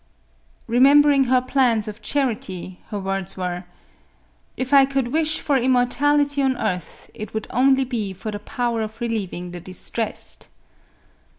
Eemembering her plans of charity, her words were, " If I could wish for immor tality on earth, it would only be for the power of re lieving the distressed."